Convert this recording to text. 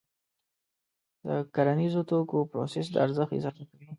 د کرنیزو توکو پروسس د ارزښت اضافه کوي.